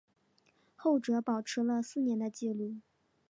后者保持了四年的纪录。